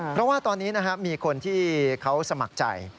เพราะว่าตอนนี้มีคนที่เขาสมัครใจ